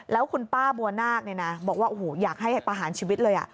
แล้วคุณป้าบัวนาคบอกว่าโอ้โหอยากให้ประหารชีวิตเลย